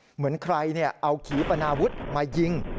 เหมือนใครเอาขีปนาวุฒิมายิง